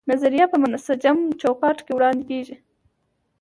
نظریه په منسجم چوکاټ کې وړاندې کیږي.